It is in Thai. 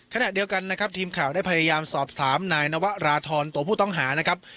ขณะเดียวกันนะครับทีมข่าวได้พยายามสอบถามนายนวราธรตัวผู้ต้องหานะครับ